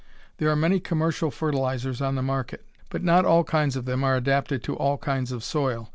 There are many commercial fertilizers on the market, but not all kinds of them are adapted to all kinds of soil.